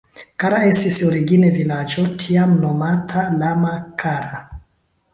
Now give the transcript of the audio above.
Kara estis origine vilaĝo, tiam nomata Lama-Kara.